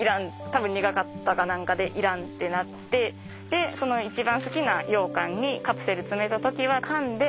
多分苦かったか何かで要らんってなってでその一番好きなようかんにカプセル詰めた時はかんで。